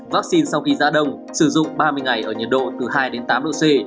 vaccine sau khi ra đông sử dụng ba mươi ngày ở nhiệt độ từ hai đến tám độ c